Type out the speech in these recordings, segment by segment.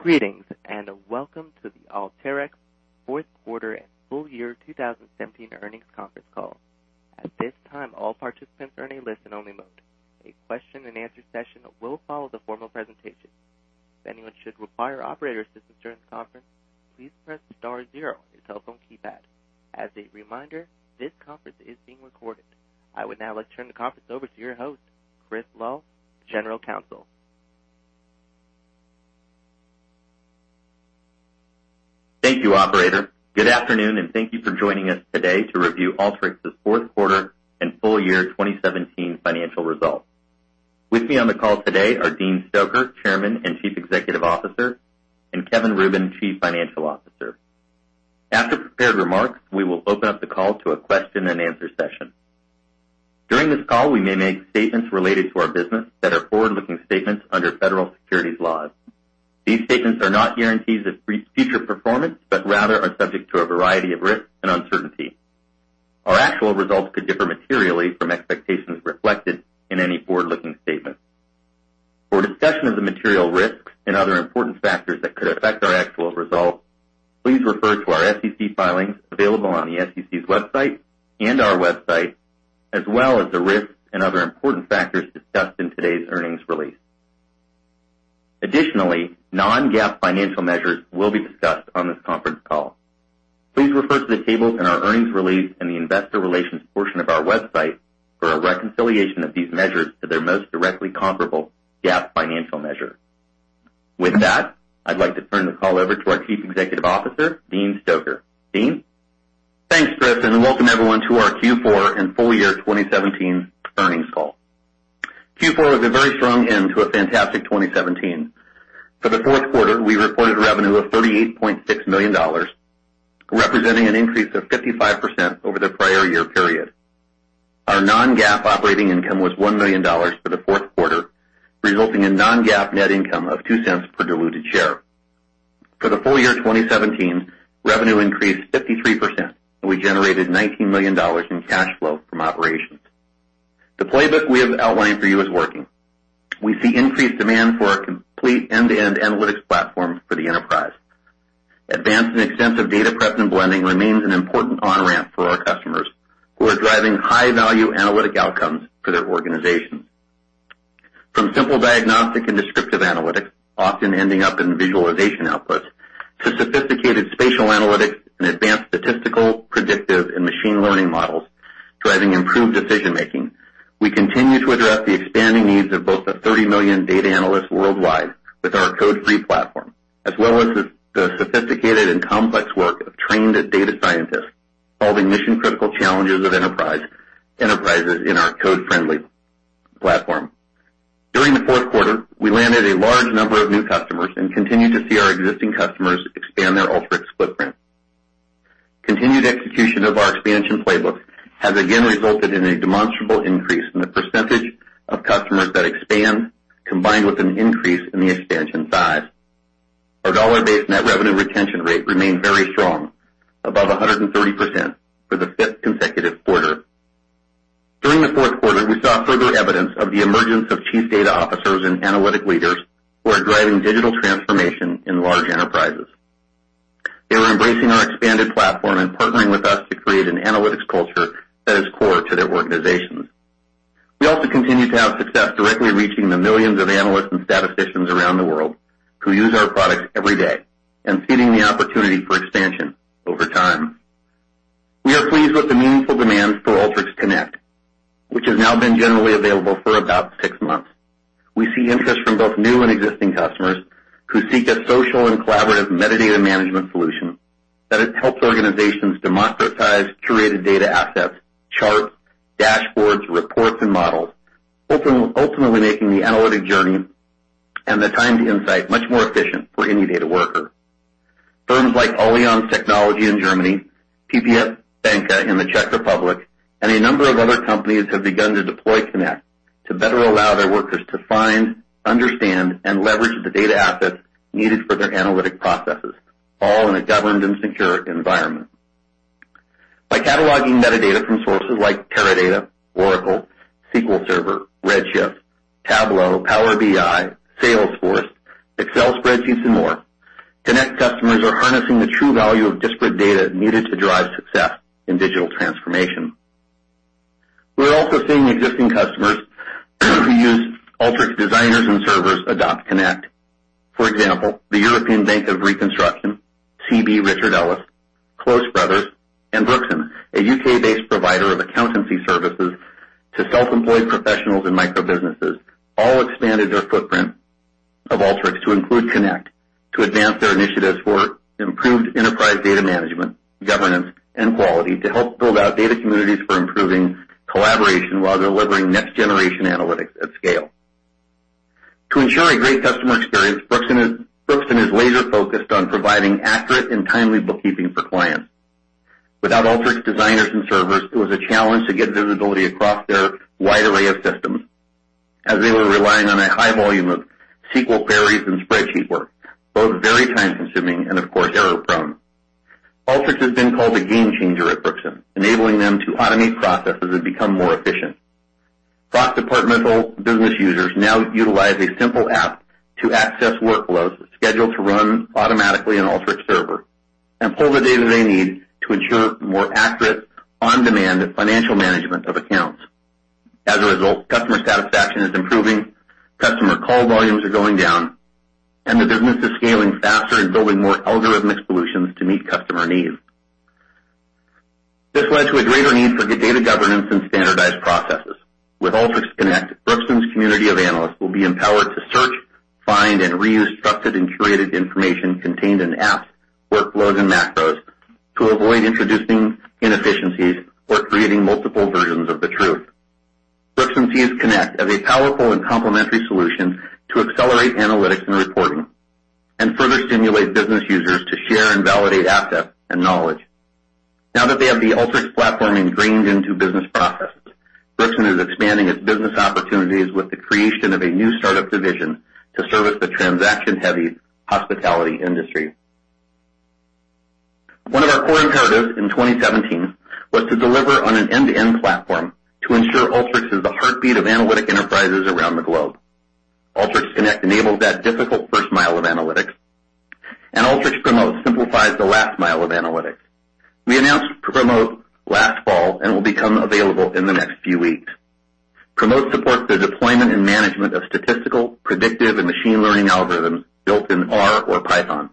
Greetings, welcome to the Alteryx fourth quarter and full year 2017 earnings conference call. At this time, all participants are in a listen-only mode. A question and answer session will follow the formal presentation. If anyone should require operator assistance during the conference, please press star zero on your telephone keypad. As a reminder, this conference is being recorded. I would now like to turn the conference over to your host, Chris Lal, General Counsel. Thank you, operator. Good afternoon, thank you for joining us today to review Alteryx's fourth quarter and full year 2017 financial results. With me on the call today are Dean Stoecker, Chairman and Chief Executive Officer, and Kevin Rubin, Chief Financial Officer. After prepared remarks, we will open up the call to a question and answer session. During this call, we may make statements related to our business that are forward-looking statements under federal securities laws. These statements are not guarantees of future performance but rather are subject to a variety of risks and uncertainty. Our actual results could differ materially from expectations reflected in any forward-looking statement. For a discussion of the material risks and other important factors that could affect our actual results, please refer to our SEC filings available on the SEC's website and our website, as well as the risks and other important factors discussed in today's earnings release. Additionally, non-GAAP financial measures will be discussed on this conference call. Please refer to the tables in our earnings release in the investor relations portion of our website for a reconciliation of these measures to their most directly comparable GAAP financial measure. With that, I'd like to turn the call over to our Chief Executive Officer, Dean Stoecker. Dean? Thanks, Chris, welcome everyone to our Q4 and full year 2017 earnings call. Q4 was a very strong end to a fantastic 2017. For the fourth quarter, we reported revenue of $38.6 million, representing an increase of 55% over the prior year period. Our non-GAAP operating income was $1 million for the fourth quarter, resulting in non-GAAP net income of $0.02 per diluted share. For the full year 2017, revenue increased 53%, we generated $19 million in cash flow from operations. The playbook we have outlined for you is working. We see increased demand for our complete end-to-end analytics platform for the enterprise. Advanced and extensive data prep and blending remains an important on-ramp for our customers who are driving high-value analytic outcomes for their organizations. From simple diagnostic and descriptive analytics, often ending up in visualization outputs, to sophisticated spatial analytics and advanced statistical, predictive, and machine learning models driving improved decision-making, we continue to address the expanding needs of both the 30 million data analysts worldwide with our code-free platform, as well as the sophisticated and complex work of trained data scientists solving mission-critical challenges of enterprises in our code-friendly platform. During the fourth quarter, we landed a large number of new customers and continued to see our existing customers expand their Alteryx footprint. Continued execution of our expansion playbooks has again resulted in a demonstrable increase in the percentage of customers that expand, combined with an increase in the expansion size. Our dollar-based net revenue retention rate remained very strong, above 130% for the fifth consecutive quarter. During the fourth quarter, we saw further evidence of the emergence of chief data officers and analytic leaders who are driving digital transformation in large enterprises. They were embracing our expanded platform and partnering with us to create an analytics culture that is core to their organizations. We also continue to have success directly reaching the millions of analysts and statisticians around the world who use our products every day and seeding the opportunity for expansion over time. We are pleased with the meaningful demand for Alteryx Connect, which has now been generally available for about six months. We see interest from both new and existing customers who seek a social and collaborative metadata management solution that helps organizations democratize curated data assets, charts, dashboards, reports, and models, ultimately making the analytic journey and the time to insight much more efficient for any data worker. Firms like Allianz Technology in Germany, PPF Banka in the Czech Republic, and a number of other companies have begun to deploy Connect to better allow their workers to find, understand, and leverage the data assets needed for their analytic processes, all in a governed and secure environment. By cataloging metadata from sources like Teradata, Oracle, SQL Server, Redshift, Tableau, Power BI, Salesforce, Excel spreadsheets and more, Connect customers are harnessing the true value of disparate data needed to drive success in digital transformation. We are also seeing existing customers who use Alteryx Designers and Servers adopt Connect. For example, the European Bank of Reconstruction, CB Richard Ellis, Close Brothers, and Brookson, a U.K.-based provider of accountancy services to self-employed professionals and micro-businesses, all expanded their footprint of Alteryx to include Connect to advance their initiatives for improved enterprise data management, governance, and quality to help build out data communities for improving collaboration while delivering next-generation analytics at scale. To ensure a great customer experience, Brookson is laser-focused on providing accurate and timely bookkeeping for clients. Without Alteryx Designers and Servers, it was a challenge to get visibility across their wide array of systems, as they were relying on a high volume of SQL queries and spreadsheet work, both very time-consuming and, of course, error-prone. Alteryx has been called a game changer at Brookson, enabling them to automate processes and become more efficient. Across departmental business users now utilize a simple app to access workflows scheduled to run automatically in Alteryx Server and pull the data they need to ensure more accurate on-demand financial management of accounts. As a result, customer satisfaction is improving, customer call volumes are going down, and the business is scaling faster and building more algorithmic solutions to meet customer needs. This led to a greater need for data governance and standardized processes. With Alteryx Connect, Brookson's community of analysts will be empowered to search, find, and reuse trusted and curated information contained in apps, workflows, and macros to avoid introducing inefficiencies or creating multiple versions of the truth. Brookson sees Connect as a powerful and complementary solution to accelerate analytics and reporting and further stimulate business users to share and validate assets and knowledge. Now that they have the Alteryx platform ingrained into business processes, Brookson is expanding its business opportunities with the creation of a new startup division to service the transaction-heavy hospitality industry. One of our core imperatives in 2017 was to deliver on an end-to-end platform to ensure Alteryx is the heartbeat of analytic enterprises around the globe. Alteryx Connect enables that difficult first mile of analytics, and Alteryx Promote simplifies the last mile of analytics. We announced Promote last fall and will become available in the next few weeks. Promote supports the deployment and management of statistical, predictive, and machine learning algorithms built in R or Python.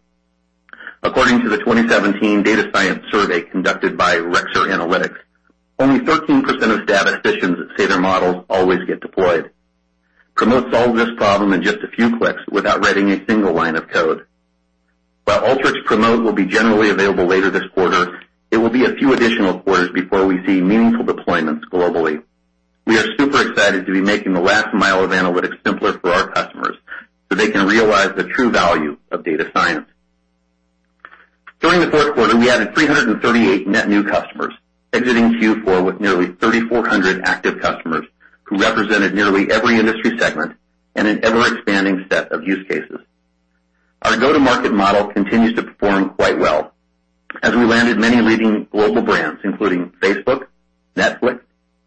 According to the 2017 Data Science Survey conducted by Rexer Analytics, only 13% of statisticians say their models always get deployed. Promote solves this problem in just a few clicks without writing a single line of code. While Alteryx Promote will be generally available later this quarter, it will be a few additional quarters before we see meaningful deployments globally. We are super excited to be making the last mile of analytics simpler for our customers so they can realize the true value of data science. During the fourth quarter, we added 338 net new customers, exiting Q4 with nearly 3,400 active customers who represented nearly every industry segment and an ever-expanding set of use cases. Our go-to-market model continues to perform quite well as we landed many leading global brands, including Facebook, Netflix,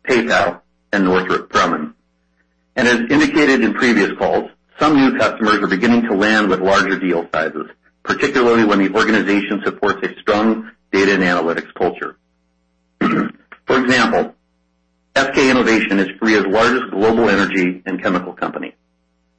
PayPal, and Northrop Grumman. As indicated in previous calls, some new customers are beginning to land with larger deal sizes, particularly when the organization supports a strong data and analytics culture. For example, SK Innovation is Korea's largest global energy and chemical company.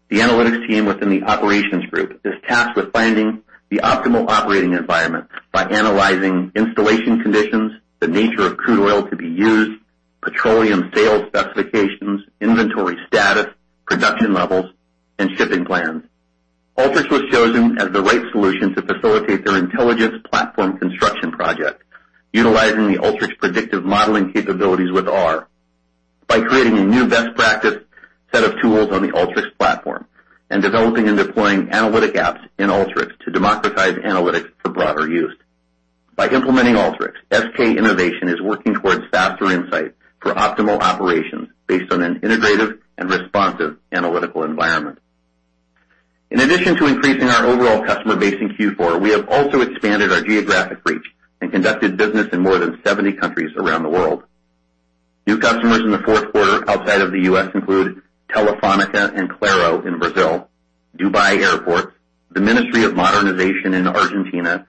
The analytics team within the operations group is tasked with finding the optimal operating environment by analyzing installation conditions, the nature of crude oil to be used, petroleum sales specifications, inventory status, production levels, and shipping plans. Alteryx was chosen as the right solution to facilitate their intelligence platform construction project, utilizing the Alteryx predictive modeling capabilities with R by creating a new best practice set of tools on the Alteryx platform and developing and deploying analytic apps in Alteryx to democratize analytics for broader use. By implementing Alteryx, SK Innovation is working towards faster insights for optimal operations based on an integrated and responsive analytical environment. In addition to increasing our overall customer base in Q4, we have also expanded our geographic reach and conducted business in more than 70 countries around the world. New customers in the fourth quarter outside of the U.S. include Telefônica and Claro in Brazil, Dubai Airports, the Ministry of Modernization in Argentina,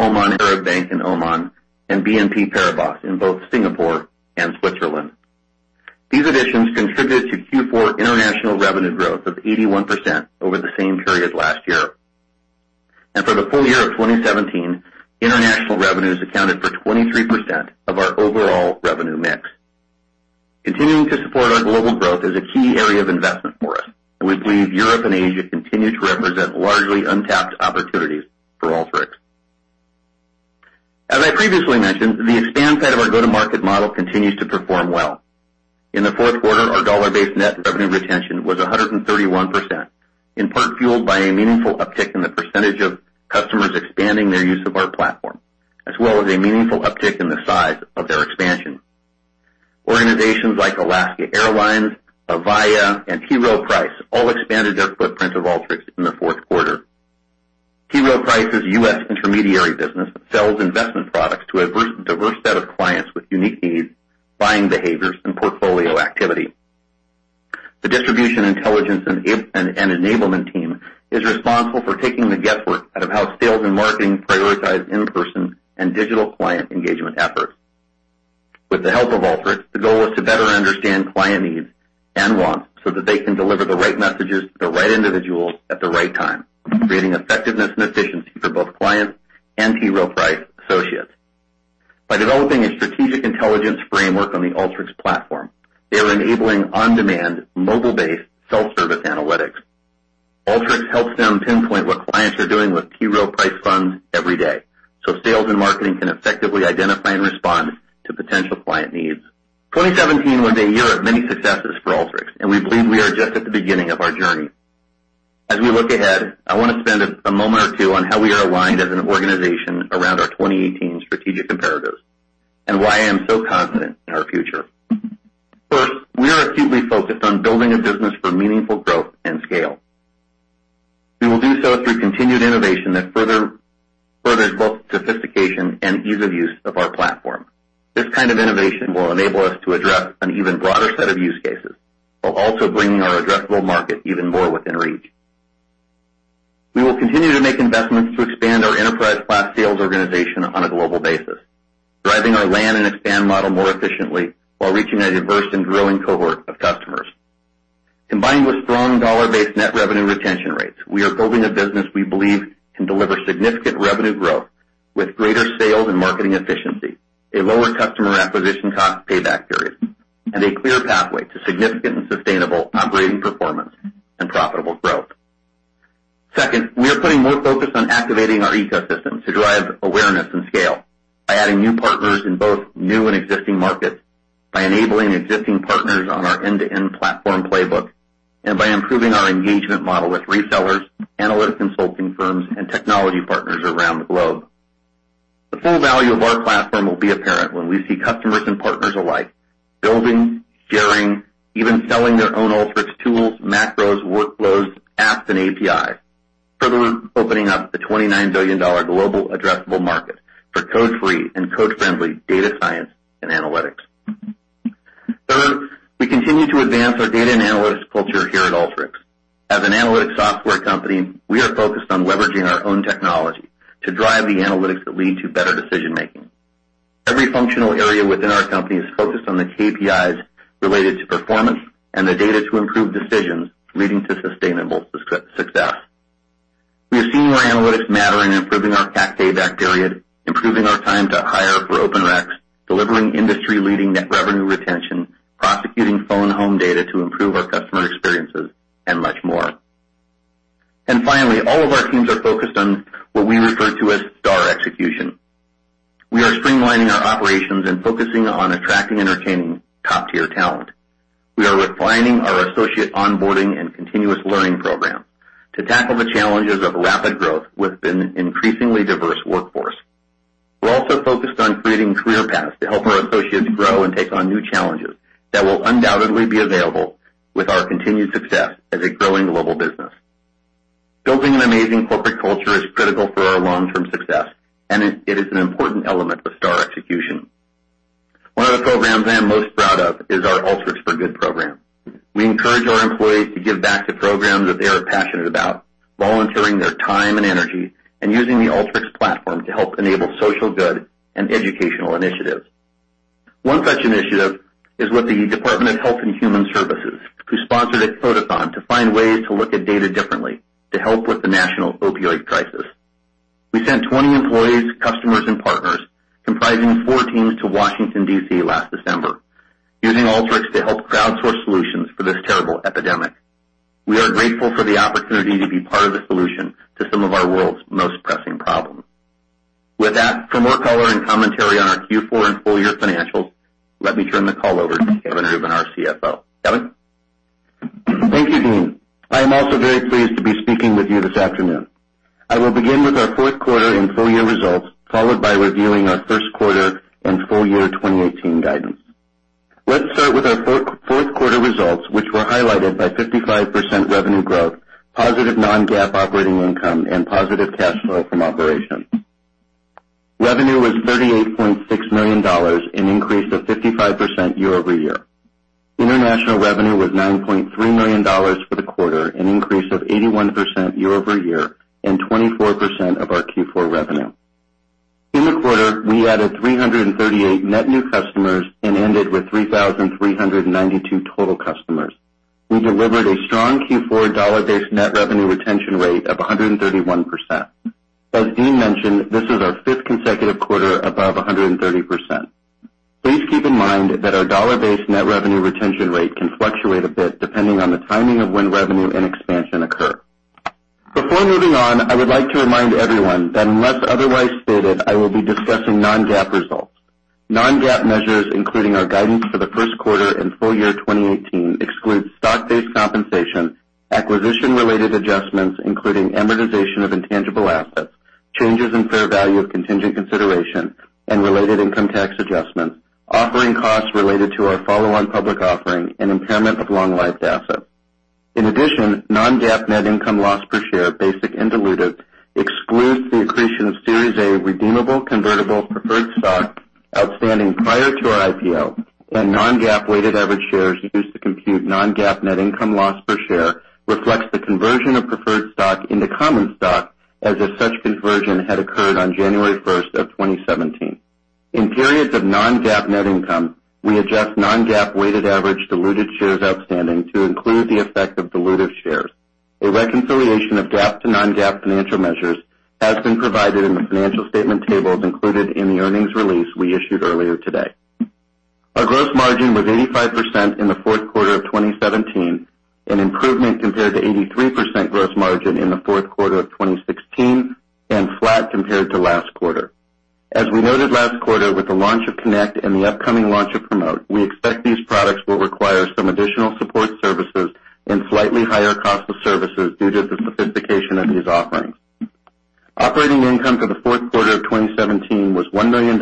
Oman Arab Bank in Oman, and BNP Paribas in both Singapore and Switzerland. These additions contributed to Q4 international revenue growth of 81% over the same period last year. For the full year of 2017, international revenues accounted for 23% of our overall revenue mix. Continuing to support our global growth is a key area of investment for us, and we believe Europe and Asia continue to represent largely untapped opportunities for Alteryx. As I previously mentioned, the expand side of our go-to-market model continues to perform well. In the fourth quarter, our dollar-based net revenue retention was 131%, in part fueled by a meaningful uptick in the percentage of customers expanding their use of our platform, as well as a meaningful uptick in the size of their expansion. Organizations like Alaska Airlines, Avaya, and T. Rowe Price all expanded their footprint of Alteryx in the fourth quarter. T. Rowe Price's U.S. intermediary business sells investment products to a diverse set of clients with unique needs, buying behaviors, and portfolio activity. The distribution intelligence and enablement team is responsible for taking the guesswork out of how sales and marketing prioritize in-person and digital client engagement efforts. With the help of Alteryx, the goal is to better understand client needs and wants so that they can deliver the right messages to the right individuals at the right time, creating effectiveness and efficiency for both clients and T. Rowe Price associates. By developing a strategic intelligence framework on the Alteryx platform, they are enabling on-demand, mobile-based self-service analytics. Alteryx helps them pinpoint what clients are doing with T. Rowe Price funds every day, so sales and marketing can effectively identify and respond to potential client needs. 2017 was a year of many successes for Alteryx, and we believe we are just at the beginning of our journey. As we look ahead, I want to spend a moment or two on how we are aligned as an organization around our 2018 strategic imperatives and why I am so confident in our future. First, we are acutely focused on building a business for meaningful growth and scale. We will do so through continued innovation that furthers both sophistication and ease of use of our platform. This kind of innovation will enable us to address an even broader set of use cases, while also bringing our addressable market even more within reach. We will continue to make investments to expand our enterprise class sales organization on a global basis, driving our land and expand model more efficiently while reaching a diverse and growing cohort of customers. Combined with strong dollar-based net revenue retention rates, we are building a business we believe can deliver significant revenue growth with greater sales and marketing efficiency, a lower customer acquisition cost payback period, and a clear pathway to significant and sustainable operating performance and profitable growth. Second, we are putting more focus on activating our ecosystem to drive awareness and scale by adding new partners in both new and existing markets, by enabling existing partners on our end-to-end platform playbook, and by improving our engagement model with resellers, analytic consulting firms, and technology partners around the globe. The full value of our platform will be apparent when we see customers and partners alike building, sharing, even selling their own Alteryx tools, macros, workflows, apps, and APIs, further opening up the $29 billion global addressable market for code-free and code-friendly data science and analytics. Third, we continue to advance our data and analytics culture here at Alteryx. As an analytics software company, we are focused on leveraging our own technology to drive the analytics that lead to better decision-making. Every functional area within our company is focused on the KPIs related to performance and the data to improve decisions, leading to sustainable success. We are seeing our analytics matter in improving our CAC payback period, improving our time to hire for open recs, delivering industry-leading net revenue retention, prosecuting phone home data to improve our customer experiences, and much more. Finally, all of our teams are focused on what we refer to as STAR execution. We are streamlining our operations and focusing on attracting and retaining top-tier talent. We are refining our associate onboarding and continuous learning program to tackle the challenges of rapid growth with an increasingly diverse workforce. We're also focused on creating career paths to help our associates grow and take on new challenges that will undoubtedly be available with our continued success as a growing global business. Building an amazing corporate culture is critical for our long-term success, and it is an important element of STAR execution. One of the programs I am most proud of is our Alteryx for Good Program. We encourage our employees to give back to programs that they are passionate about, volunteering their time and energy, and using the Alteryx platform to help enable social good and educational initiatives. One such initiative is with the Department of Health and Human Services, who sponsored a code-athon to find ways to look at data differently to help with the national opioid crisis. We sent 20 employees, customers, and partners, comprising four teams, to Washington, D.C. last December, using Alteryx to help crowdsource solutions for this terrible epidemic. We are grateful for the opportunity to be part of the solution to some of our world's most pressing problems. With that, for more color and commentary on our Q4 and full year financials, let me turn the call over to Kevin Rubin, our CFO. Kevin? Thank you, Dean. I am also very pleased to be speaking with you this afternoon. I will begin with our fourth quarter and full year results, followed by reviewing our first quarter and full year 2018 guidance. Let's start with our fourth quarter results, which were highlighted by 55% revenue growth, positive non-GAAP operating income, and positive cash flow from operations. Revenue was $38.6 million, an increase of 55% year-over-year. International revenue was $9.3 million for the quarter, an increase of 81% year-over-year and 24% of our Q4 revenue. In the quarter, we added 338 net new customers and ended with 3,392 total customers. We delivered a strong Q4 dollar-based net revenue retention rate of 131%. As Dean mentioned, this is our fifth consecutive quarter above 130%. Please keep in mind that our dollar-based net revenue retention rate can fluctuate a bit depending on the timing of when revenue and expansion occur. Before moving on, I would like to remind everyone that unless otherwise stated, I will be discussing non-GAAP results. Non-GAAP measures, including our guidance for the first quarter and full year 2018 excludes stock-based compensation, acquisition-related adjustments, including amortization of intangible assets, changes in fair value of contingent consideration and related income tax adjustments, offering costs related to our follow-on public offering, and impairment of long-lived assets. In addition, non-GAAP net income loss per share, basic and diluted, excludes the accretion of Series A redeemable convertible preferred stock outstanding prior to our IPO. Non-GAAP weighted average shares used to compute non-GAAP net income loss per share reflects the conversion of preferred stock into common stock as if such conversion had occurred on January 1st of 2017. In periods of non-GAAP net income, we adjust non-GAAP weighted average diluted shares outstanding to include the effect of diluted shares. A reconciliation of GAAP to non-GAAP financial measures has been provided in the financial statement tables included in the earnings release we issued earlier today. Our gross margin was 85% in the fourth quarter of 2017, an improvement compared to 83% gross margin in the fourth quarter of 2016, and flat compared to last quarter. As we noted last quarter, with the launch of Connect and the upcoming launch of Promote, we expect these products will require some additional support services and slightly higher cost of services due to the sophistication of these offerings. Operating income for the fourth quarter of 2017 was $1 million,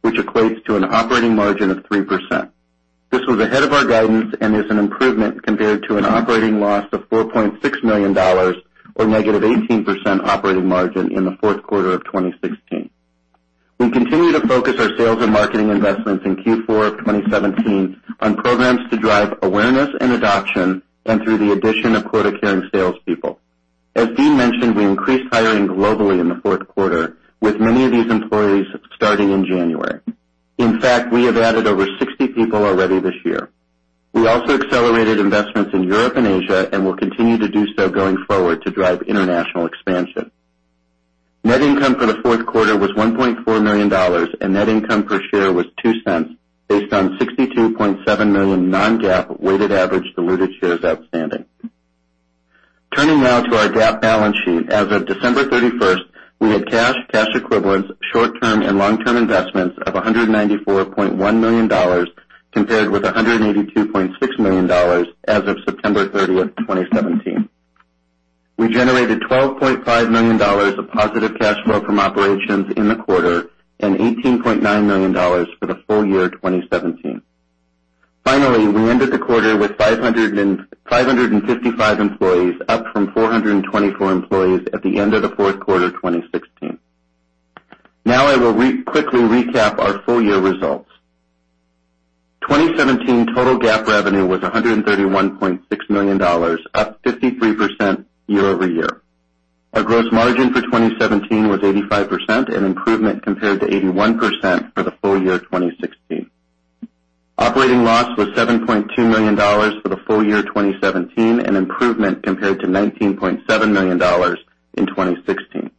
which equates to an operating margin of 3%. This was ahead of our guidance and is an improvement compared to an operating loss of $4.6 million, or negative 18% operating margin in the fourth quarter of 2016. We continue to focus our sales and marketing investments in Q4 of 2017 on programs to drive awareness and adoption, and through the addition of quota-carrying salespeople. As Dean mentioned, we increased hiring globally in the fourth quarter, with many of these employees starting in January. In fact, we have added over 60 people already this year. We also accelerated investments in Europe and Asia and will continue to do so going forward to drive international expansion. Net income for the fourth quarter was $1.4 million, and net income per share was $0.02, based on 62.7 million non-GAAP weighted average diluted shares outstanding. Turning now to our GAAP balance sheet. As of December 31st, we had cash equivalents, short-term and long-term investments of $194.1 million, compared with $182.6 million as of September 30th, 2017. We generated $12.5 million of positive cash flow from operations in the quarter and $18.9 million for the full year 2017. Finally, we ended the quarter with 555 employees, up from 424 employees at the end of the fourth quarter 2016. I will quickly recap our full year results. 2017 total GAAP revenue was $131.6 million, up 53% year-over-year. Our gross margin for 2017 was 85%, an improvement compared to 81% for the full year 2016. Operating loss was $7.2 million for the full year 2017, an improvement compared to $19.7 million in 2016.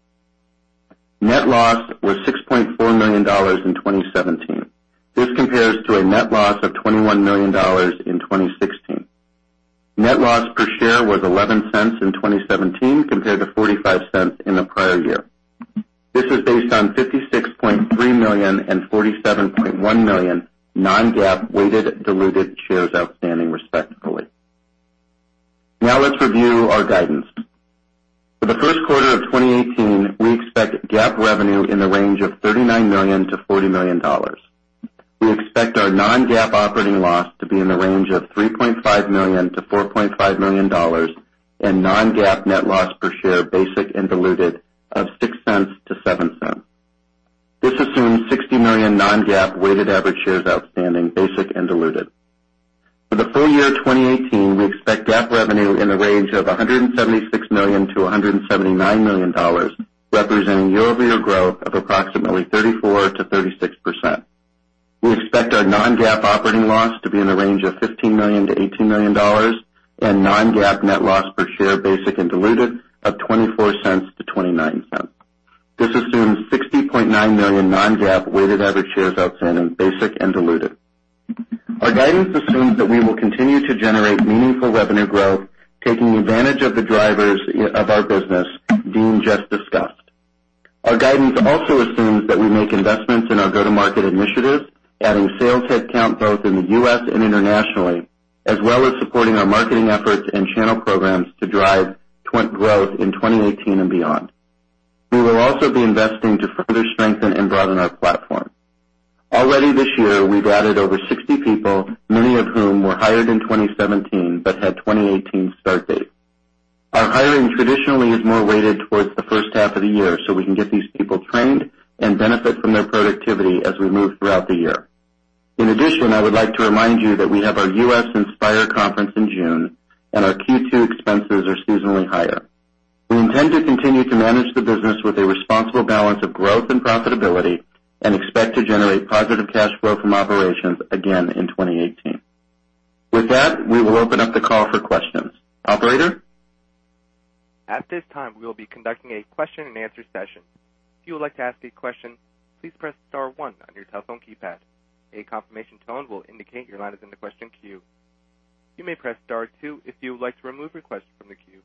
Net loss was $6.4 million in 2017. This compares to a net loss of $21 million in 2016. Net loss per share was $0.11 in 2017 compared to $0.45 in the prior year. This is based on 56.3 million and 47.1 million non-GAAP weighted diluted shares outstanding, respectively. Let's review our guidance. For the first quarter of 2018, we expect GAAP revenue in the range of $39 million-$40 million. We expect our non-GAAP operating loss to be in the range of $3.5 million-$4.5 million, and non-GAAP net loss per share, basic and diluted, of $0.06-$0.07. This assumes 60 million non-GAAP weighted average shares outstanding, basic and diluted. For the full year 2018, we expect GAAP revenue in the range of $176 million-$179 million, representing year-over-year growth of approximately 34%-36%. We expect our non-GAAP operating loss to be in the range of $15 million-$18 million, and non-GAAP net loss per share, basic and diluted, of $0.24-$0.29. This assumes 60.9 million non-GAAP weighted average shares outstanding, basic and diluted. Our guidance assumes that we will continue to generate meaningful revenue growth, taking advantage of the drivers of our business Dean just discussed. Our guidance also assumes that we make investments in our go-to-market initiatives, adding sales headcount both in the U.S. and internationally, as well as supporting our marketing efforts and channel programs to drive growth in 2018 and beyond. We will also be investing to further strengthen and broaden our platform. Already this year, we've added over 60 people, many of whom were hired in 2017 but had 2018 start dates. Our hiring traditionally is more weighted towards the first half of the year, so we can get these people trained and benefit from their productivity as we move throughout the year. In addition, I would like to remind you that we have our U.S. Inspire conference in June and our Q2 expenses are seasonally higher. We intend to continue to manage the business with a responsible balance of growth and profitability and expect to generate positive cash flow from operations again in 2018. With that, we will open up the call for questions. Operator? At this time, we will be conducting a question and answer session. If you would like to ask a question, please press star one on your telephone keypad. A confirmation tone will indicate your line is in the question queue. You may press star two if you would like to remove your question from the queue.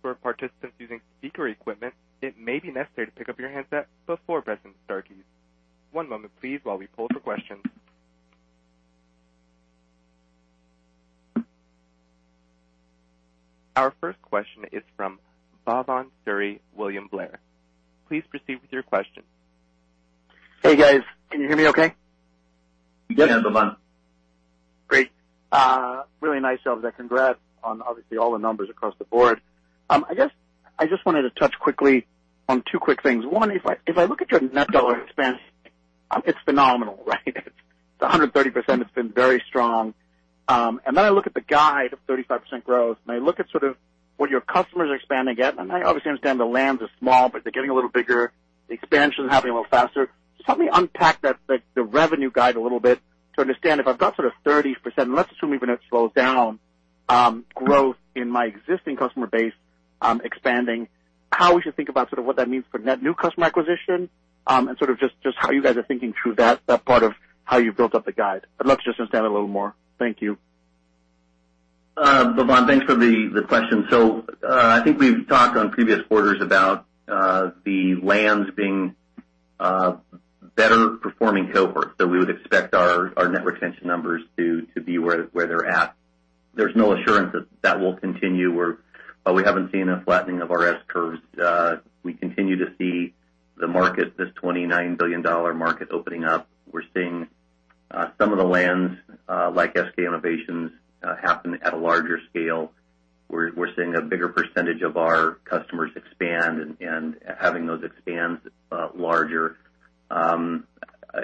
For participants using speaker equipment, it may be necessary to pick up your handset before pressing star keys. One moment please while we pull for questions. Our first question is from Bhavan Suri, William Blair. Please proceed with your question. Hey, guys. Can you hear me okay? Yes. Great. Really nice jobs there. Congrats on obviously all the numbers across the board. I just wanted to touch quickly on two quick things. One, if I look at your net dollar expansion, it's phenomenal, right? The 130% has been very strong. I look at the guide of 35% growth, and I look at sort of what your customers are expanding at, and I obviously understand the lands are small, but they're getting a little bigger. The expansion is happening a little faster. Just help me unpack the revenue guide a little bit to understand if I've got sort of 30%, and let's assume even it slows down, growth in my existing customer base expanding, how we should think about sort of what that means for net new customer acquisition, and sort of just how you guys are thinking through that part of how you built up the guide. I'd love to just understand a little more. Thank you. Bhavan, thanks for the question. I think we've talked on previous quarters about the lands being. Better performing cohort. We would expect our net retention numbers to be where they're at. There's no assurance that will continue. While we haven't seen a flattening of our S-curves, we continue to see the market, this $29 billion market, opening up. We're seeing some of the lands, like SK Innovation, happen at a larger scale. We're seeing a bigger percentage of our customers expand and having those expands larger. The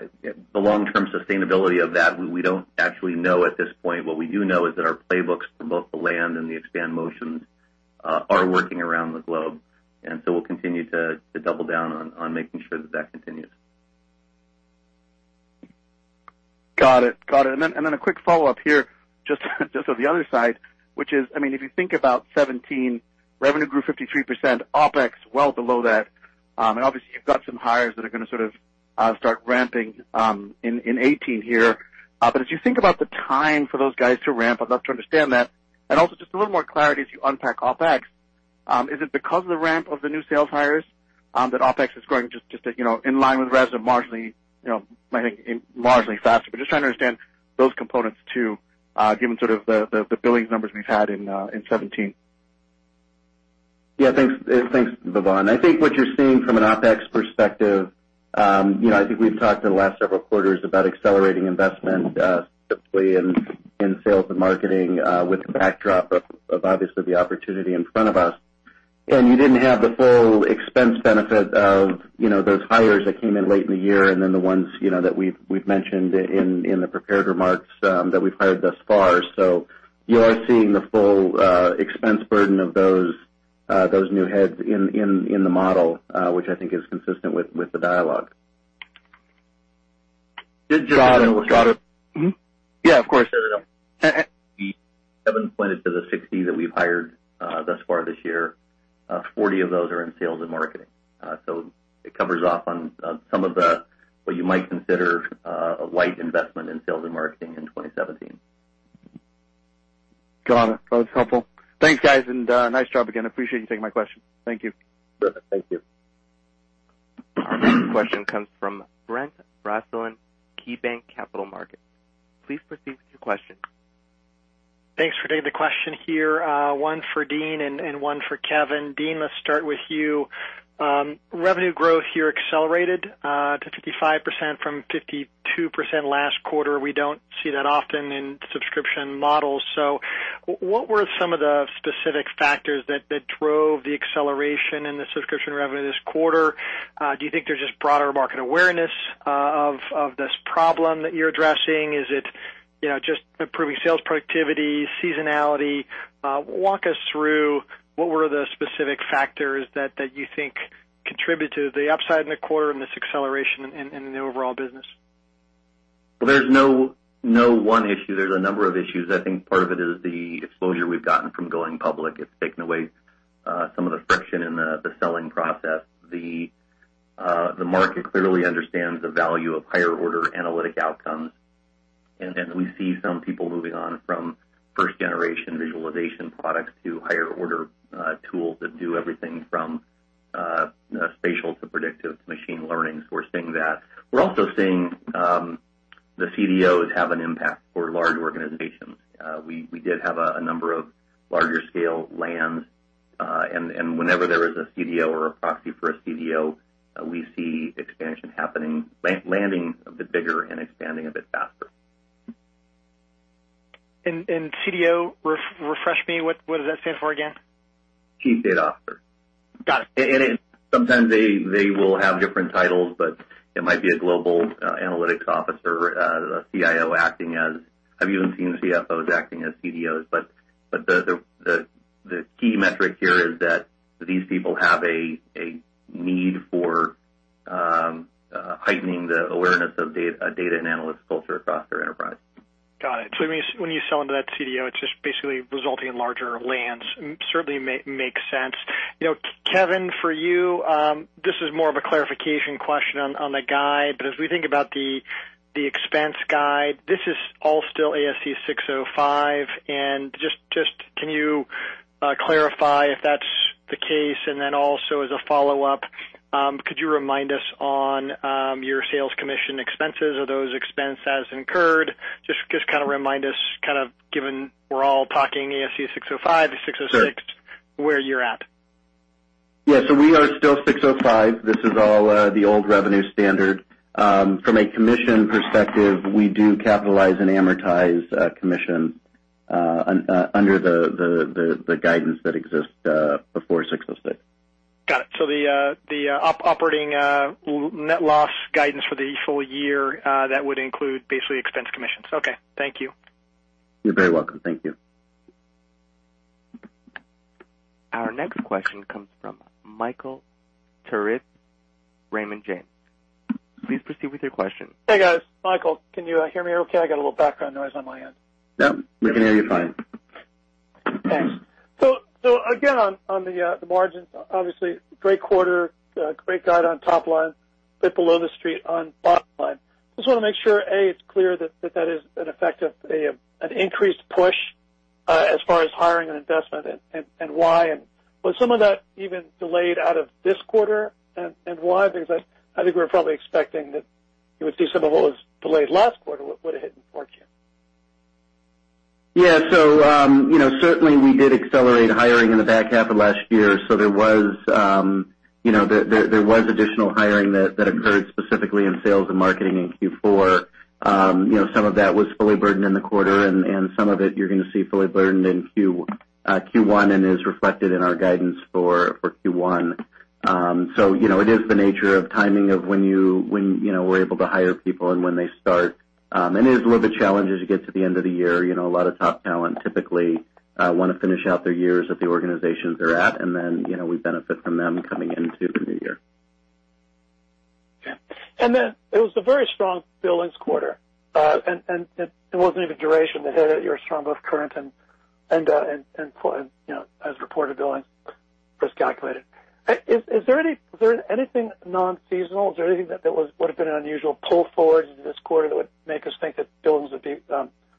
long-term sustainability of that, we don't actually know at this point. What we do know is that our playbooks for both the land and the expand motions are working around the globe. We'll continue to double down on making sure that continues. Got it. A quick follow-up here, just on the other side, which is, if you think about 2017, revenue grew 53%, OpEx well below that. Obviously, you've got some hires that are going to start ramping in 2018 here. As you think about the time for those guys to ramp, I'd love to understand that. Also, just a little more clarity as you unpack OpEx. Is it because of the ramp of the new sales hires that OpEx is growing just in line with revs or might think largely faster? Just trying to understand those components too, given the billings numbers we've had in 2017. Yeah, thanks, Bhavan. I think what you're seeing from an OpEx perspective, I think we've talked in the last several quarters about accelerating investment, typically in sales and marketing, with the backdrop of obviously the opportunity in front of us. You didn't have the full expense benefit of those hires that came in late in the year, the ones that we've mentioned in the prepared remarks that we've hired thus far. You are seeing the full expense burden of those new heads in the model, which I think is consistent with the dialogue. Got it. Yeah, of course. Kevin pointed to the 60 that we've hired thus far this year. 40 of those are in sales and marketing. It covers off on some of what you might consider a light investment in sales and marketing in 2017. Got it. That was helpful. Thanks, guys, and nice job again. Appreciate you taking my questions. Thank you. Thank you. Our next question comes from Brent Bracelin, KeyBanc Capital Markets. Please proceed with your question. Thanks for taking the question here, one for Dean and one for Kevin. Dean, let's start with you. Revenue growth here accelerated to 55% from 52% last quarter. We don't see that often in subscription models. What were some of the specific factors that drove the acceleration in the subscription revenue this quarter? Do you think there's just broader market awareness of this problem that you're addressing? Is it just improving sales productivity, seasonality? Walk us through what were the specific factors that you think contributed to the upside in the quarter and this acceleration in the overall business? Well, there's no one issue. There's a number of issues. I think part of it is the exposure we've gotten from going public. It's taken away some of the friction in the selling process. The market clearly understands the value of higher-order analytic outcomes. We see some people moving on from first-generation visualization products to higher-order tools that do everything from spatial to predictive machine learning. We're seeing that. We're also seeing the CDOs have an impact for large organizations. We did have a number of larger-scale lands. Whenever there is a CDO or a proxy for a CDO, we see expansion happening, landing a bit bigger and expanding a bit faster. CDO, refresh me, what does that stand for again? Chief Data Officer. Got it. Sometimes they will have different titles, but it might be a global analytics officer, a CIO acting as. I've even seen CFOs acting as CDOs. The key metric here is that these people have a need for heightening the awareness of data and analytics culture across their enterprise. Got it. When you sell into that CDO, it's just basically resulting in larger lands. Certainly makes sense. Kevin, for you, this is more of a clarification question on the guide. As we think about the expense guide, this is all still ASC 605. Just can you clarify if that's the case? Then also as a follow-up, could you remind us on your sales commission expenses? Are those expenses incurred? Just remind us, given we're all talking ASC 605 to 606. Sure where you're at. We are still ASC 605. This is all the old revenue standard. From a commission perspective, we do capitalize and amortize commission under the guidance that exists before ASC 606. Got it. The operating net loss guidance for the full year, that would include basically expense commissions. Thank you. You're very welcome. Thank you. Our next question comes from Michael Turits, Raymond James. Please proceed with your question. Hey, guys. Michael, can you hear me okay? I got a little background noise on my end. Yep, we can hear you fine. Thanks. Again, on the margins, obviously great quarter, great guide on top line, bit below the street on bottom line. Just want to make sure, A, it's clear that that is an effect of an increased push as hiring and investment and why. Was some of that even delayed out of this quarter, and why? I think we were probably expecting that you would see some of what was delayed last quarter would have hit in the fourth quarter. Certainly we did accelerate hiring in the back half of last year. There was additional hiring that occurred specifically in sales and marketing in Q4. Some of that was fully burdened in the quarter, and some of it you're going to see fully burdened in Q1 and is reflected in our guidance for Q1. It is the nature of timing of when we're able to hire people and when they start. It is a little bit challenging as you get to the end of the year. A lot of top talent typically want to finish out their years at the organizations they're at, and then we benefit from them coming into the new year. It was a very strong billings quarter. It wasn't even duration that hit it. You were strong both current and as reported, billing was calculated. Is there anything non-seasonal? Is there anything that would've been an unusual pull forward into this quarter that would make us think that billings would be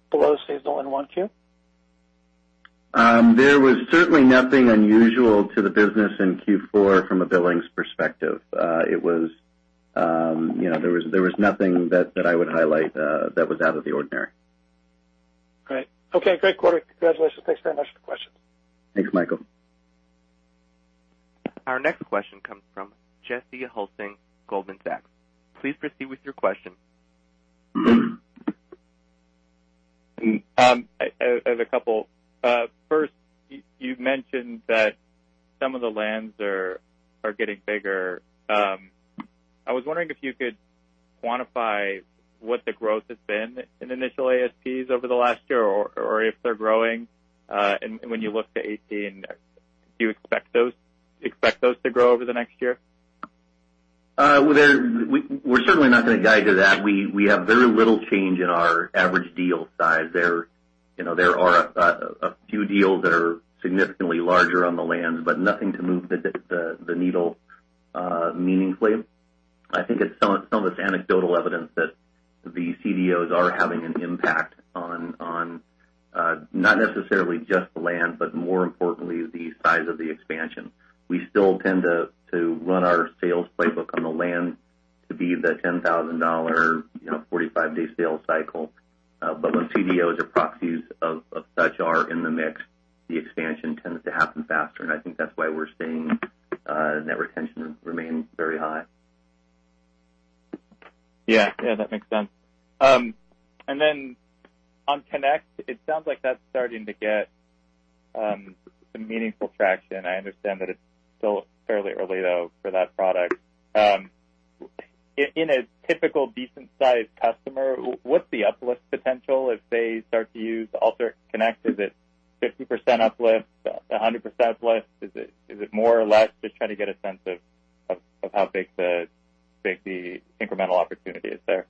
below seasonal in 1Q? There was certainly nothing unusual to the business in Q4 from a billings perspective. There was nothing that I would highlight that was out of the ordinary. Great. Okay, great quarter. Congratulations. Thanks very much for the questions. Thanks, Michael. Our next question comes from Jesse Hulsing, Goldman Sachs. Please proceed with your question. I have a couple. First, you mentioned that some of the lands are getting bigger. I was wondering if you could quantify what the growth has been in initial ASPs over the last year, or if they're growing, and when you look to 2018, do you expect those to grow over the next year? We're certainly not going to guide to that. We have very little change in our average deal size. There are a few deals that are significantly larger on the lands, but nothing to move the needle meaningfully. I think it's some of this anecdotal evidence that the CDOs are having an impact on not necessarily just the land, but more importantly, the size of the expansion. We still tend to run our sales playbook on the land to be the $10,000, 45-day sales cycle. When CDOs or proxies of such are in the mix, the expansion tends to happen faster. I think that's why we're seeing net retention remain very high. That makes sense. On Alteryx Connect, it sounds like that's starting to get some meaningful traction. I understand that it's still fairly early, though, for that product. In a typical decent-sized customer, what's the uplift potential if they start to use Alteryx Connect? Is it 50% uplift, 100% uplift? Is it more or less? Just trying to get a sense of how big the incremental opportunity is there.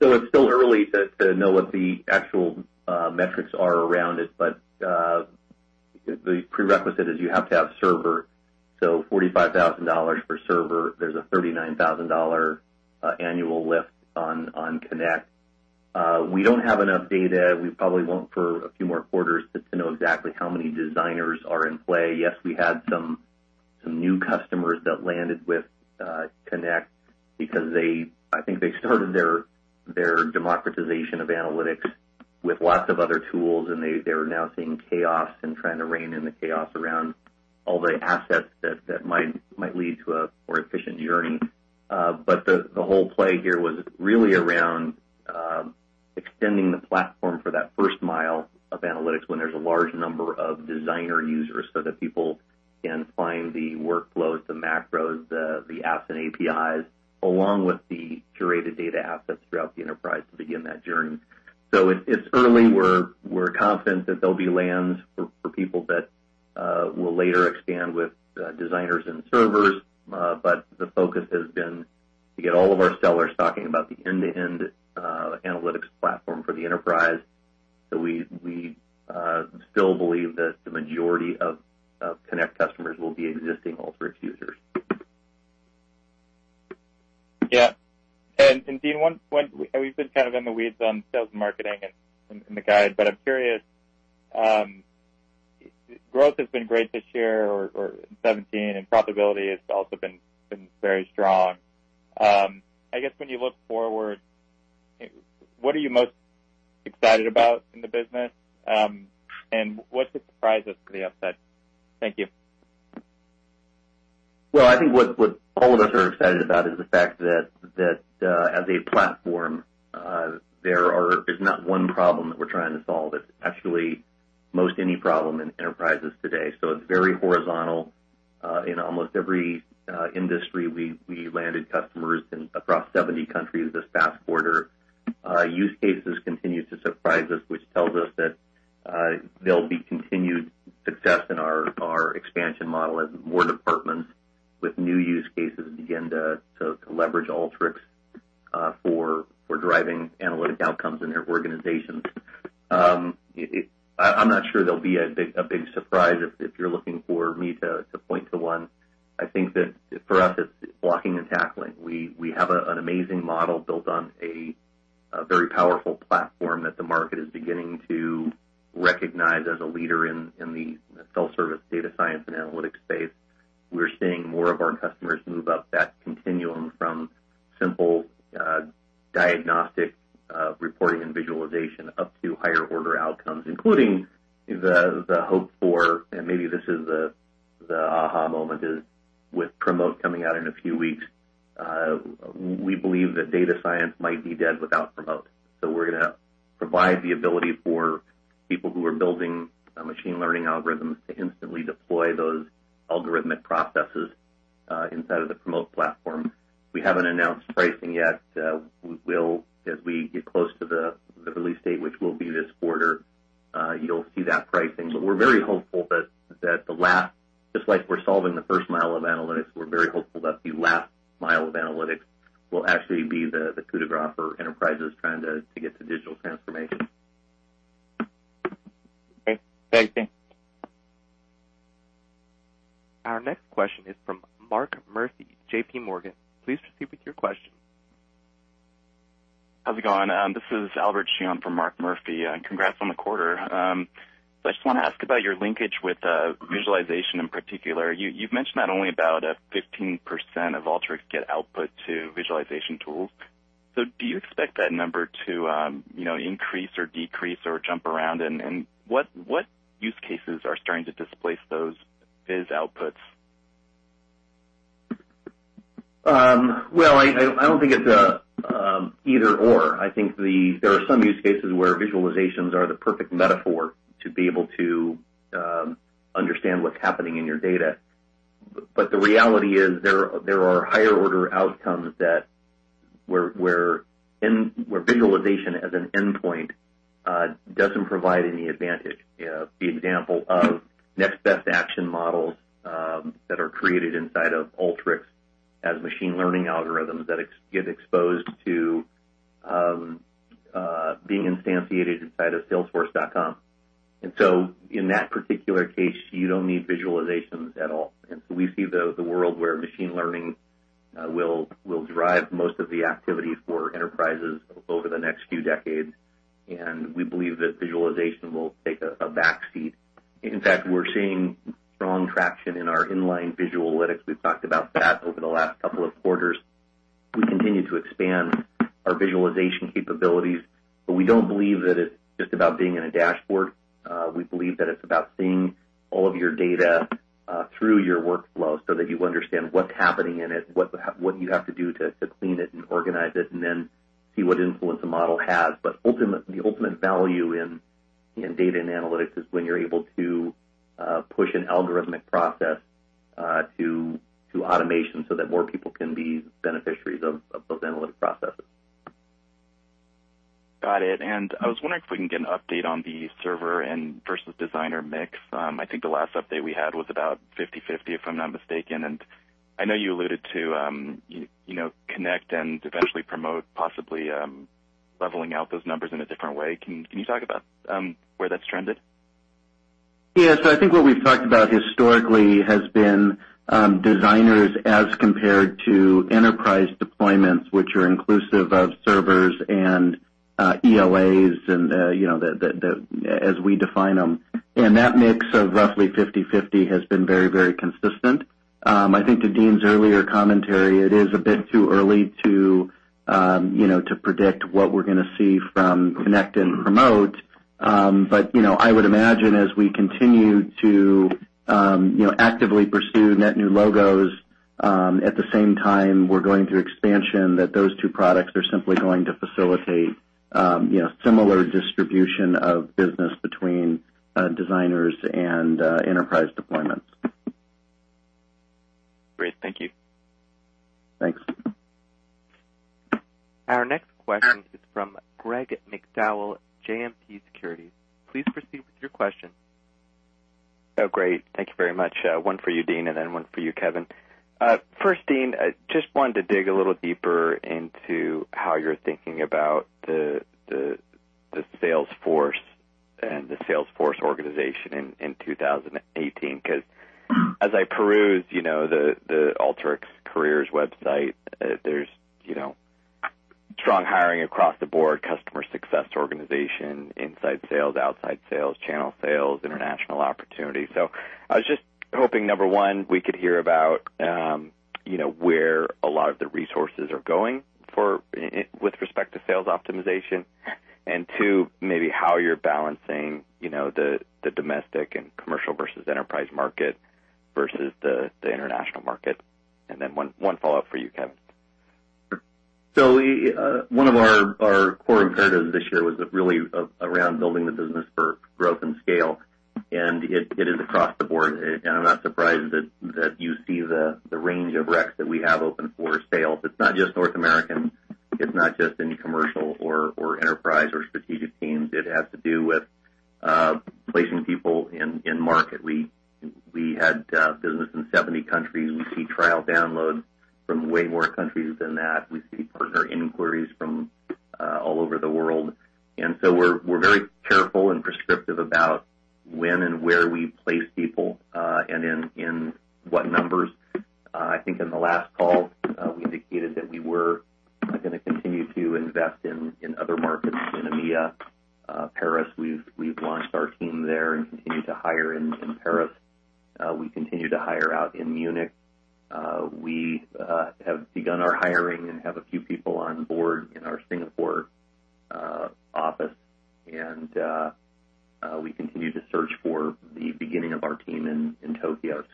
It's still early to know what the actual metrics are around it. The prerequisite is you have to have Alteryx Server. $45,000 per Alteryx Server. There's a $39,000 annual lift on Alteryx Connect. We don't have enough data. We probably won't for a few more quarters just to know exactly how many Alteryx Designers are in play. Yes, we had some new customers that landed with Alteryx Connect because I think they started their democratization of analytics with lots of other tools, and they're now seeing chaos and trying to rein in the chaos around all the assets that might lead to a more efficient journey. The whole play here was really around extending the platform for that first mile of analytics when there's a large number of Alteryx Designer users so that people can find the workflows, the macros, the apps and APIs, along with the curated data assets throughout the enterprise to begin that journey. It's early. We're confident that there'll be lands for people that will later expand with Alteryx Designers and Alteryx Servers. The focus has been to get all of our sellers talking about the end-to-end analytics platform for the enterprise. We still believe that the majority of Alteryx Connect customers will be existing Alteryx users. Yeah. Dean, we've been kind of in the weeds on sales and marketing and in the guide, but I'm curious. Growth has been great this year, or in 2017, profitability has also been very strong. I guess when you look forward, what are you most excited about in the business? What could surprise us to the upside? Thank you. I think what all of us are excited about is the fact that as a platform, there's not one problem that we're trying to solve. It's actually most any problem in enterprises today. It's very horizontal. In almost every industry, we landed customers across 70 countries this past quarter. Use cases continue to surprise us, which tells us that there'll be continued success in our expansion model as more departments with new use cases begin to leverage Alteryx for driving analytics outcomes in their organizations. I'm not sure there'll be a big surprise if you're looking for me to point to one. I think that for us, it's blocking and tackling. We have an amazing model built on a very powerful platform that the market is beginning to recognize as a leader in the self-service data science and analytics space. We're seeing more of our customers move up that continuum from simple diagnostic reporting and visualization up to higher order outcomes, including the hope for, and maybe this is the aha moment is with Promote coming out in a few weeks. We believe that data science might be dead without Promote. We're going to provide the ability for people who are building machine learning algorithms to instantly deploy those algorithmic processes inside of the Promote platform. We haven't announced pricing yet. We will, as we get close to the release date, which will be this quarter. You'll see that pricing. We're very hopeful that just like we're solving the first mile of analytics, we're very hopeful that the last mile of analytics will actually be the coup de grâce for enterprises trying to get to digital transformation. Okay. Thank you. Our next question is from Mark Murphy, JP Morgan. Please proceed with your question. How's it going? This is Albert Chi on for Mark Murphy. Congrats on the quarter. I just want to ask about your linkage with visualization in particular. You've mentioned not only about 15% of Alteryx get output to visualization tools. Do you expect that number to increase or decrease or jump around? What use cases are starting to displace those viz outputs? Well, I don't think it's either/or. I think there are some use cases where visualizations are the perfect metaphor to be able to understand what's happening in your data. The reality is there are higher order outcomes where visualization as an endpoint doesn't provide any advantage. The example of next best action models that are created inside of Alteryx as machine learning algorithms that get exposed to being instantiated inside of Salesforce.com. In that particular case, you don't need visualizations at all. We see the world where machine learning will derive most of the activity for enterprises over the next few decades, and we believe that visualization will take a back seat. In fact, we're seeing strong traction in our inline visual analytics. We've talked about that over the last couple of quarters. We continue to expand our visualization capabilities, but we don't believe that it's just about being in a dashboard. We believe that it's about seeing all of your data through your workflow so that you understand what's happening in it, what you have to do to clean it and organize it, and then see what influence a model has. The ultimate value in data and analytics is when you're able to push an algorithmic process to automation so that more people can be beneficiaries of those analytic processes. Got it. I was wondering if we can get an update on the Server and versus Designer mix. I think the last update we had was about 50/50, if I'm not mistaken. I know you alluded to Connect and eventually Promote, possibly leveling out those numbers in a different way. Can you talk about where that's trended? Yes, I think what we've talked about historically has been Designers as compared to enterprise deployments, which are inclusive of servers and ELA as we define them. That mix of roughly 50/50 has been very consistent. I think to Dean's earlier commentary, it is a bit too early to predict what we're going to see from Alteryx Connect and Alteryx Promote. I would imagine as we continue to actively pursue net new logos, at the same time, we're going through expansion, that those two products are simply going to facilitate similar distribution of business between Designers and enterprise deployments. Great. Thank you. Thanks. Our next question is from Greg McDowell, JMP Securities. Please proceed with your question. Great. Thank you very much. One for you, Dean, and then one for you, Kevin. First, Dean, just wanted to dig a little deeper into how you're thinking about the Salesforce and the Salesforce organization in 2018, because as I perused the Alteryx careers website, there's strong hiring across the board, customer success organization, inside sales, outside sales, channel sales, international opportunities. I was just hoping, number one, we could hear about where a lot of the resources are going with respect to sales optimization. Two, maybe how you're balancing the domestic and commercial versus enterprise market versus the international market. Then one follow-up for you, Kevin. One of our core imperatives this year was really around building the business for growth and scale, it is across the board. I'm not surprised that you see the range of recs that we have open for sales. It's not just North American, it's not just in commercial or enterprise or strategic teams. It has to do with placing people in market. We had business in 70 countries. We see trial downloads from way more countries than that. We see partner inquiries from all over the world. We're very careful and prescriptive about when and where we place people, and in what numbers. I think in the last call, we indicated that we were going to continue to invest in other markets in EMEA. Paris, we've launched our team there and continue to hire in Paris. We continue to hire out in Munich. We have begun our hiring and have a few people on board in our Singapore office. We continue to search for the beginning of our team in Tokyo.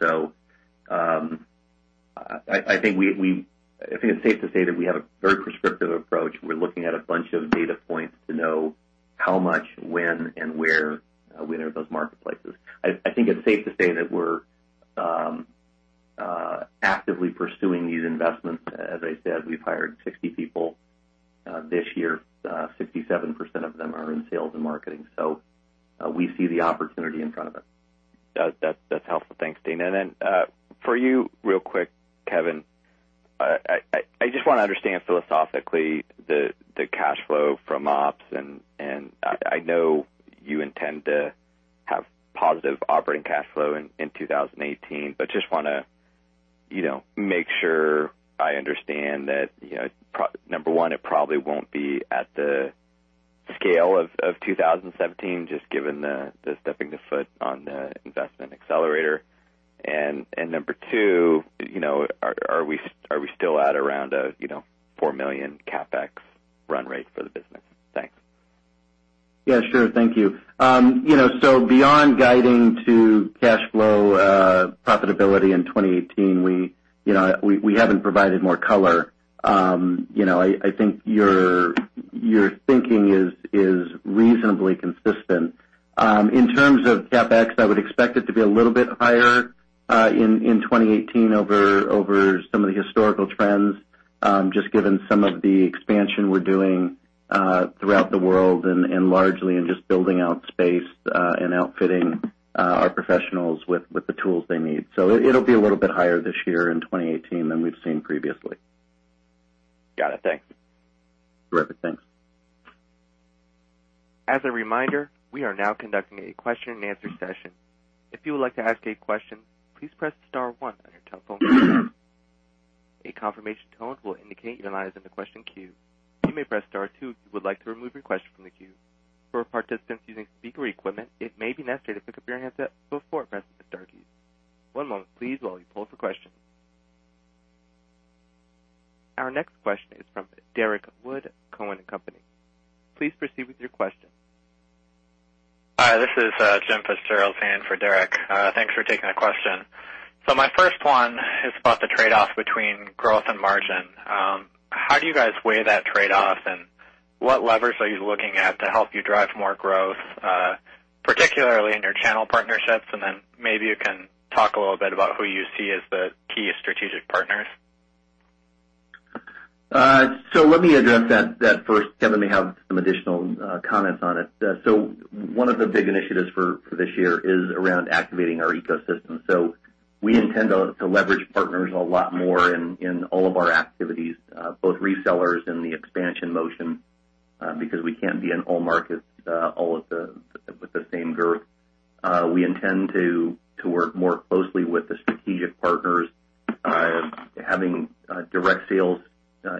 I think it's safe to say that we have a very prescriptive approach. We're looking at a bunch of data points to know how much, when, and where, when they're in those marketplaces. I think it's safe to say that we're actively pursuing these investments. As I said, we've hired 60 people this year. 67% of them are in sales and marketing, we see the opportunity in front of us. That's helpful. Thanks, Dean. For you real quick, Kevin, I just want to understand philosophically the cash flow from ops. I know you intend to have positive operating cash flow in 2018, but just want to make sure I understand that, number 1, it probably won't be at the scale of 2017, just given the stepping the foot on the investment accelerator. Number 2, are we still at around a $4 million CapEx run rate for the business? Thanks. Yeah, sure. Thank you. Beyond guiding to cash flow profitability in 2018, we haven't provided more color. I think your thinking is reasonably consistent. In terms of CapEx, I would expect it to be a little bit higher, in 2018 over some of the historical trends, just given some of the expansion we're doing throughout the world and largely in just building out space, and outfitting our professionals with the tools they need. It'll be a little bit higher this year in 2018 than we've seen previously. Got it. Thanks. Perfect. Thanks. As a reminder, we are now conducting a question and answer session. If you would like to ask a question, please press STAR one on your telephone keypad. A confirmation tone will indicate your line is in the question queue. You may press STAR two if you would like to remove your question from the queue. For participants using speaker equipment, it may be necessary to pick up your handset before pressing the STAR keys. One moment please while we pull for questions. Our next question is from Derrick Wood, Cowen and Company. Please proceed with your question. Hi, this is Jim Fitzgerald saying for Derrick. Thanks for taking a question. My first one is about the trade-off between growth and margin. How do you guys weigh that trade-off, and what levers are you looking at to help you drive more growth, particularly in your channel partnerships? Maybe you can talk a little bit about who you see as the key strategic partners. Let me address that first. Kevin may have some additional comments on it. One of the big initiatives for this year is around activating our ecosystem. We intend to leverage partners a lot more in all of our activities, both resellers and the expansion motion, because we can't be in all markets all with the same girth. We intend to work more closely with the strategic partners, having direct sales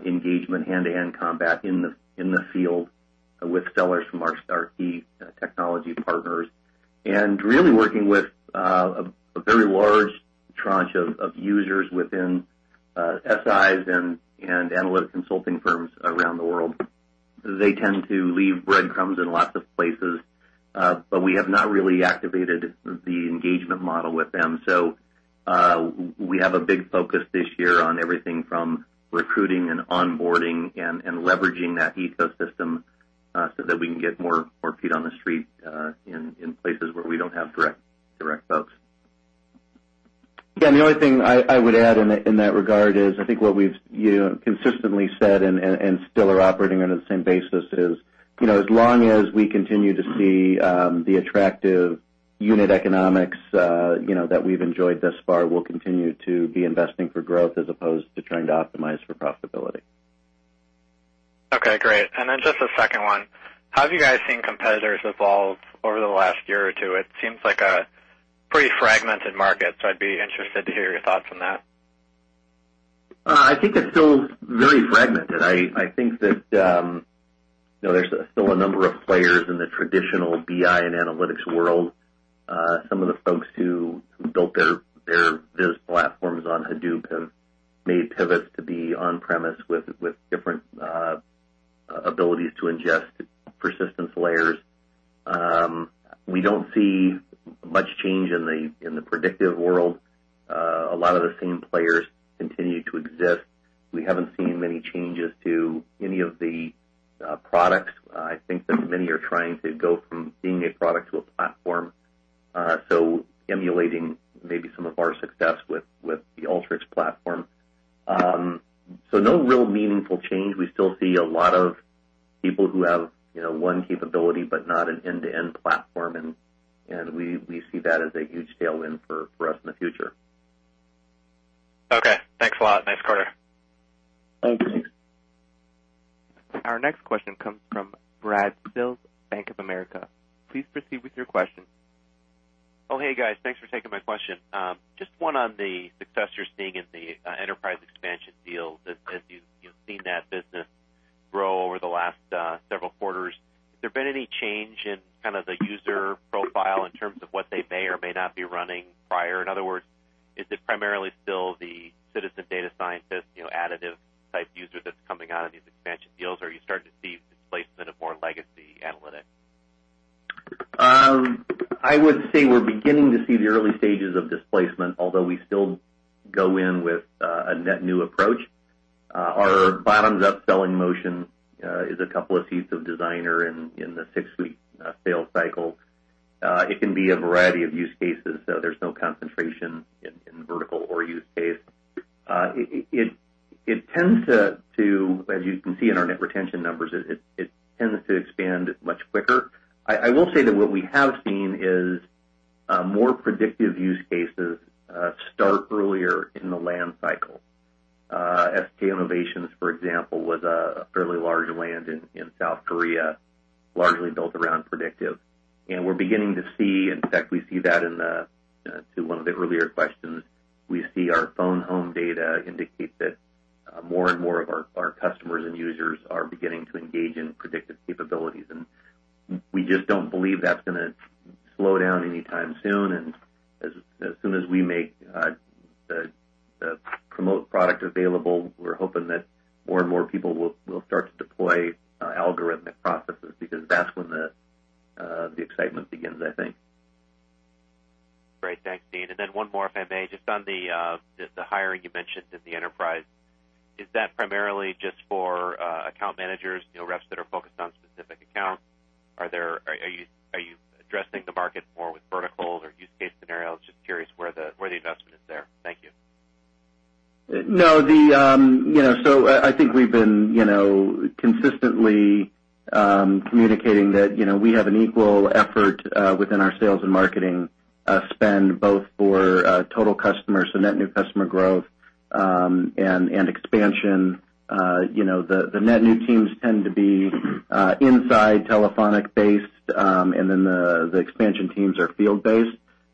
engagement, hand-to-hand combat in the field with sellers from our key technology partners. Really working with a very large tranche of users within SIs and analytic consulting firms around the world. They tend to leave breadcrumbs in lots of places. We have not really activated the engagement model with them. We have a big focus this year on everything from recruiting and onboarding and leveraging that ecosystem so that we can get more feet on the street in places where we don't have direct folks. The only thing I would add in that regard is, I think what we've consistently said and still are operating under the same basis is, as long as we continue to see the attractive unit economics that we've enjoyed thus far, we'll continue to be investing for growth as opposed to trying to optimize for profitability. Okay, great. Just a second one. How have you guys seen competitors evolve over the last year or two? It seems like a pretty fragmented market, I'd be interested to hear your thoughts on that. I think it's still very fragmented. I think that there's still a number of players in the traditional BI and analytics world. Some of the folks who built their viz platforms on Hadoop have made pivots to be on-premise with different abilities to ingest persistence layers. We don't see much change in the predictive world. A lot of the same players continue to exist. We haven't seen many changes to any of the products. I think that many are trying to go from being a product to a platform. Emulating maybe some of our success with the Alteryx platform. No real meaningful change. We still see a lot of people who have one capability but not an end-to-end platform, and we see that as a huge tailwind for us in the future. Okay. Thanks a lot. Nice quarter. Thank you. Our next question comes from Brad Sills, Bank of America. Please proceed with your question. Oh, hey, guys. Thanks for taking my question. Just one on the success you're seeing in the enterprise expansion deals as you've seen that business grow over the last several quarters. Has there been any change in kind of the user profile in terms of what they may or may not be running prior? In other words, is it primarily still the citizen data scientist additive-type user that's coming out of these expansion deals? Are you starting to see displacement of more legacy analytics? I would say we're beginning to see the early stages of displacement, although we still go in with a net new approach. Our bottoms-up selling motion is a couple of seats of Designer in the six-week sales cycle. It can be a variety of use cases, so there's no concentration in vertical or use case. It tends to, as you can see in our net retention numbers, it tends to expand much quicker. I will say that what we have seen is more predictive use cases start earlier in the land cycle. SK Innovation, for example, was a fairly large land in South Korea, largely built around predictive. We're beginning to see, in fact, we see that to one of the earlier questions, we see our phone home data indicate that more and more of our customers and users are beginning to engage in predictive capabilities, we just don't believe that's going to slow down anytime soon. As soon as we make the Promote product available, we're hoping that more and more people will start to deploy algorithmic processes because that's when the excitement begins, I think. Great. Thanks, Dean. Then one more, if I may. Just on the hiring you mentioned in the enterprise. Is that primarily just for account managers, reps that are focused on specific accounts? Are you addressing the market more with verticals or use case scenarios? Just curious where the investment is there. Thank you. No. I think we've been consistently communicating that we have an equal effort within our sales and marketing spend, both for total customers, so net new customer growth and expansion. The net new teams tend to be inside telephonic-based, and then the expansion teams are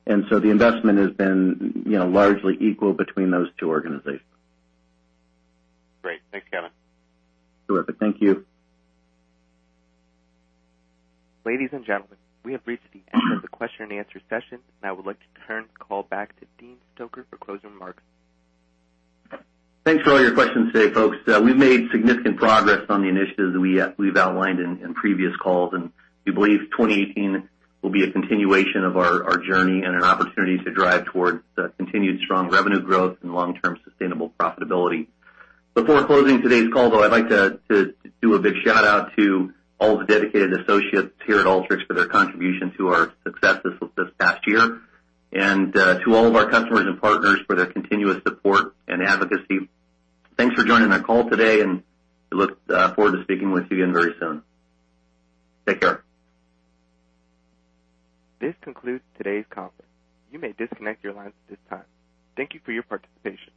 field-based. The investment has been largely equal between those two organizations. Great. Thanks, Kevin. Terrific. Thank you. Ladies and gentlemen, we have reached the end of the question and answer session, and I would like to turn the call back to Dean Stoecker for closing remarks. Thanks for all your questions today, folks. We've made significant progress on the initiatives that we've outlined in previous calls, and we believe 2018 will be a continuation of our journey and an opportunity to drive towards continued strong revenue growth and long-term sustainable profitability. Before closing today's call, though, I'd like to do a big shout-out to all the dedicated associates here at Alteryx for their contribution to our successes this past year and to all of our customers and partners for their continuous support and advocacy. Thanks for joining our call today, and we look forward to speaking with you again very soon. Take care. This concludes today's conference. You may disconnect your lines at this time. Thank you for your participation.